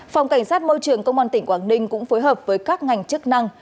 phòng cảnh sát môi trường công an tỉnh quảng ninh cũng phối hợp với các ngành chức năng